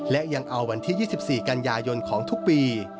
และยังเอาวันที่๒๔กันยายนของทุกปี